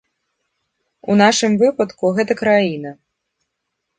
У нашым выпадку гэта краіна.